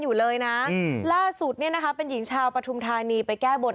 อยู่เลยนะล่าสุดเนี่ยนะคะเป็นหญิงชาวปฐุมธานีไปแก้บน